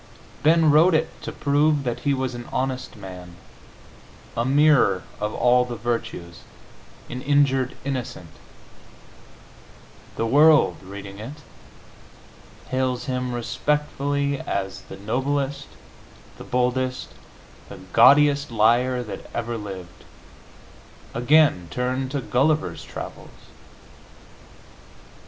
Ben wrote it to prove that he was an honest man, a mirror of all the virtues, an injured innocent; the world, reading it, hails him respectfully as the noblest, the boldest, the gaudiest liar that ever lived. Again, turn to "Gulliver's Travels."